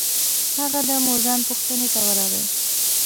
هغه د مورګان پوښتنې ته ورغی.